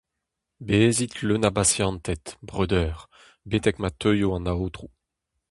Bezit leun a basianted, breudeur, betek ma teuio an Aotrou.